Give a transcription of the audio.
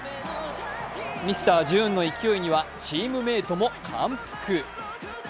ミスター・ジューンの勢いにはチームメートも感服。